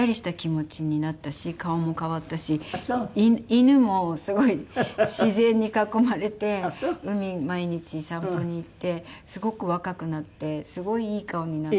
犬もすごい自然に囲まれて海毎日散歩に行ってすごく若くなってすごいいい顔になって。